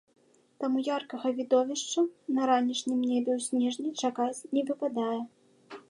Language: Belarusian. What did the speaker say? Таму яркага відовішча на ранішнім небе ў снежні чакаць не выпадае.